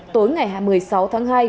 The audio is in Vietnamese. tối ngày hai mươi sáu tháng hai